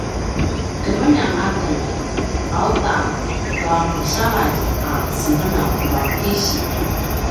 kemeljang aken auta tua pusaladj a semenaw tua kisi